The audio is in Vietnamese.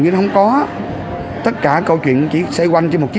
vỡ đang được công diễn định kỳ